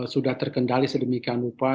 sudah terkendali sedemikian upah